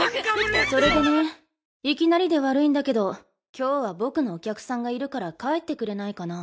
それでねいきなりで悪いんだけど今日は僕のお客さんがいるから帰ってくれないかな。